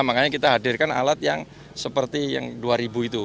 makanya kita hadirkan alat yang seperti yang dua ribu itu